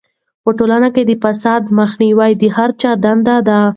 په ټولنه کې د فساد مخنیوی د هر چا دنده ده.